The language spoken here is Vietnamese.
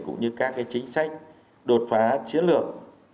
cũng như các chính sách đột phá chiến lược